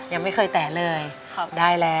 ยังไม่เคยแตะเลยได้แล้ว